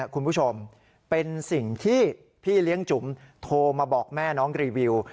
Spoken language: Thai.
คุณผู้ชมเป็นสิ่งที่พี่เลี้ยงจุ๋มโทรมาบอกแม่น้องรีวิว